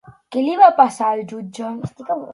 Què li va passar al jutge?